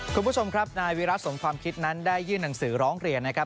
คุณผู้ชมครับนายวิรัติสมความคิดนั้นได้ยื่นหนังสือร้องเรียนนะครับ